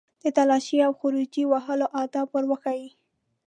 د تالاشۍ او خروجي وهلو آداب ور وښيي.